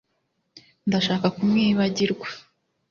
Ndashaka kumwibagirwa